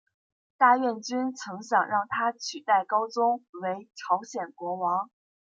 大院君曾想让他取代高宗为朝鲜国王。